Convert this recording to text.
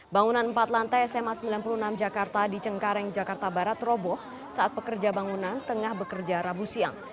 bangunan empat lantai sma sembilan puluh enam jakarta di cengkareng jakarta barat roboh saat pekerja bangunan tengah bekerja rabu siang